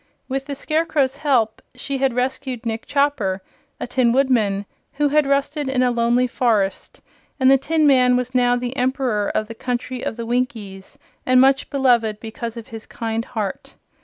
With the Scarecrow's help she had rescued Nick Chopper, a Tin Woodman, who had rusted in a lonely forest, and the tin man was now the Emperor of the Country of the Winkies and much beloved because of his kind heart.